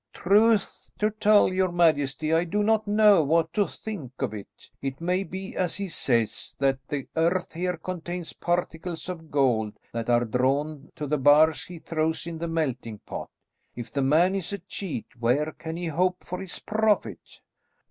"Truth to tell, your majesty, I do not know what to think of it. It may be as he says, that the earth here contains particles of gold, that are drawn to the bars he throws in the melting pot. If the man is a cheat, where can he hope for his profit?"